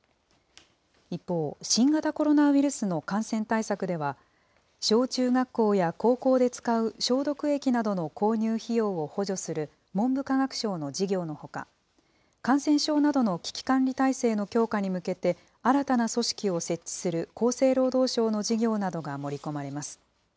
一方、新型コロナウイルスの感染対策では、小中学校や高校で使う消毒液などの購入費用を補助する文部科学省の事業のほか、感染症などの危機管理体制の強化に向けて新たな組織を設置する厚生労働省の事業などが盛り込まれます。